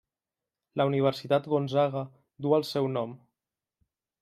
La Universitat Gonzaga duu el seu nom.